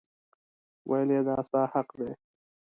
ویل یې دا ستا حق دی.